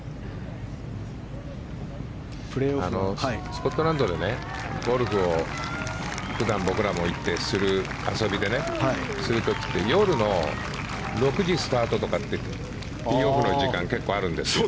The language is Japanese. スコットランドでゴルフを普段、僕らも行って遊びでする時って夜の６時スタートとかってティーオフの時間結構あるんですよ。